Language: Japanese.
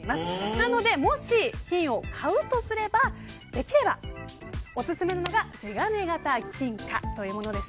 なので、もし金を買おうとすればできれば、おすすめなのが地金型金貨というものです。